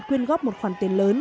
quyên góp một khoản tiền lớn